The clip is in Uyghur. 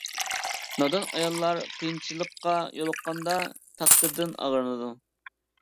نادان ئاياللار قىيىنچىلىققا يولۇققاندا، تەقدىردىن ئاغرىنىدۇ.